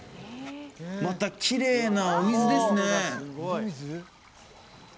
またきれいなお水ですね